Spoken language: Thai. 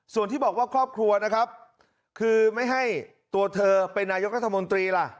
ส่วนที่บอกว่าครอบครัวนะครับคือไม่ให้ตัวเธอเป็นนายกรัฐมนตรีล่ะ